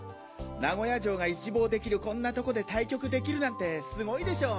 名古屋城が一望できるこんなとこで対局できるなんてすごいでしょ。